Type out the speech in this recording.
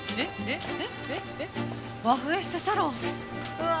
うわ。